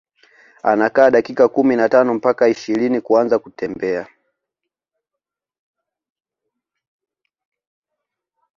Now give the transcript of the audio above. Anakaa dakika kumi na tano mpaka ishirini kuanza kutembea